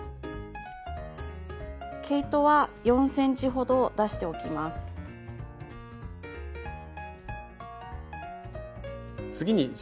毛糸は４ｃｍほど出しておきます。